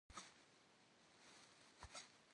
Şşeşır yêzı heş'eşım pıbğıç' ş'ıç'eu paş'ı hırt.